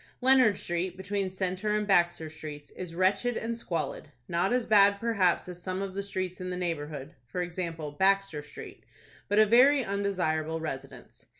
Leonard Street, between Centre and Baxter Streets, is wretched and squalid, not as bad perhaps as some of the streets in the neighborhood,—for example, Baxter Street,—but a very undesirable residence.